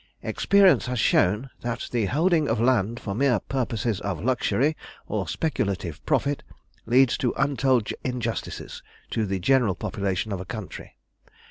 Experience has shown that the holding of land for mere purposes of luxury or speculative profit leads to untold injustices to the general population of a country.